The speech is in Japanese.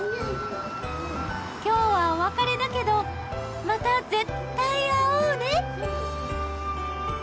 今日はお別れだけどまた絶対会おうね